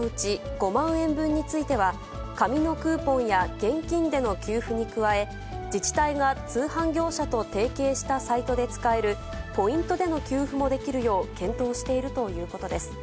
５万円分については、紙のクーポンや現金での給付に加え、自治体が通販業者と提携したサイトで使えるポイントでの給付もできるよう検討しているということです。